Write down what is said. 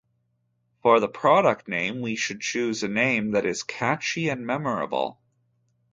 For the product name, we should choose a name that is catchy and memorable.